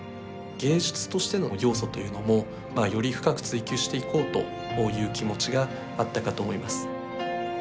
芸術としての要素というのもまあより深く追求していこうという気持ちがあったかと思います。